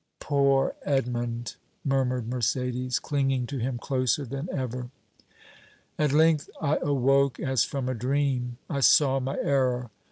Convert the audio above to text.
"Poor Edmond!" murmured Mercédès, clinging to him closer than ever. "At length I awoke, as from a dream. I saw my error.